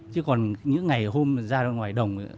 chứ còn những ngày hôm ra ngoài đồng